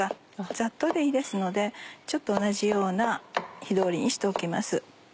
ざっとでいいですので同じような火通りにしておきます。